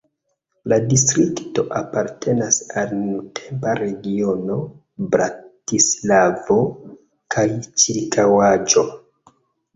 La distrikto apartenas al nuntempa regiono Bratislavo kaj ĉirkaŭaĵo.